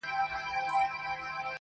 • د نغمو آمیل په غاړه راغلم یاره..